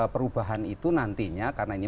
perubahan itu nantinya karena ini